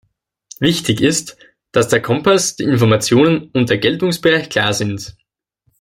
Wichtig ist, dass der Kompass, die Informationen und der Geltungsbereich klar sind.